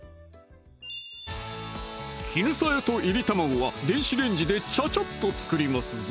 きぬさやと炒り卵は電子レンジでちゃちゃっと作りますぞ